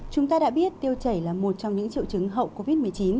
chúng ta đã biết tiêu chảy là một trong những triệu chứng hậu covid một mươi chín